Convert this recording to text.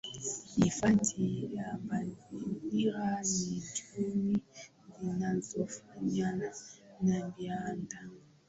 Hifadhi ya mazingira ni juhudi zinazofanywa na binadamu